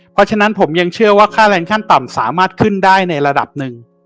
เพราะฉะนั้นผมยังเชื่อว่าค่าแรงขั้นต่ำสามารถขึ้นได้ในระดับหนึ่ง